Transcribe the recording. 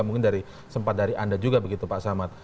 mungkin dari sempat dari anda juga begitu pak samad